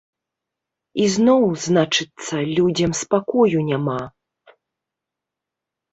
Ізноў, значыцца, людзям спакою няма.